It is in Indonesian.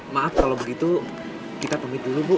maaf kalau begitu kita tumit dulu bu